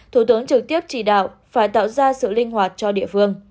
thủ tướng trực tiếp chỉ đạo phải tạo ra sự linh hoạt cho địa phương